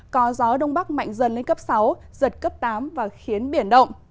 có gió đông bắc mạnh dần lên cấp sáu giật cấp tám và khiến biển động